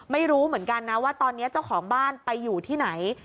ไม่รู้เหมือนกันนะว่าตอนนี้เจ้าของบ้านไปอยู่ที่ไหน